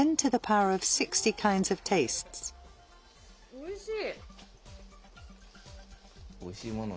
おいしい。